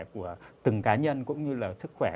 của từng cá nhân cũng như là sức khỏe